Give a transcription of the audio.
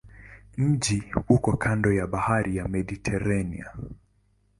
Mji uko kando ya bahari ya Mediteranea.